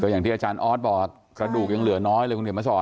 อย่างที่อาจารย์ออดบอกกระดูกยังเหลือน้อยเลยครับ